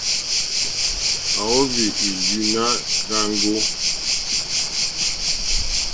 À wóhwì ìlùùnǎ rzáŋɡó.